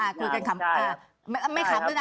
คุณเอกวีสนิทกับเจ้าแม็กซ์แค่ไหนคะ